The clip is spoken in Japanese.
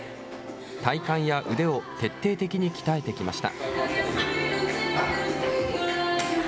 体幹や腕を徹底的に鍛えてきました。